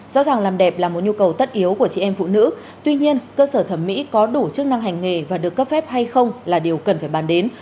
rõ ràng làm đẹp là một nhu cầu tất yếu của chị em phụ nữ tuy nhiên cơ sở thẩm mỹ có đủ chức năng hành nghề và được cấp phép hay không là điều cần phải bàn đến